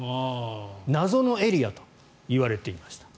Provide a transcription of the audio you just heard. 謎のエリアといわれていました。